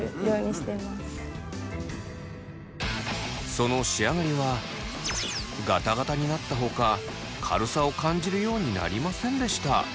その仕上がりはガタガタになったほか軽さを感じるようになりませんでした。